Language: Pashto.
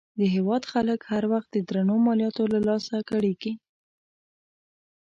د هېواد خلک هر وخت د درنو مالیاتو له لاسه کړېږي.